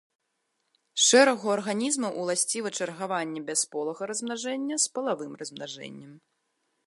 Шэрагу арганізмаў уласціва чаргаванне бясполага размнажэння з палавым размнажэннем.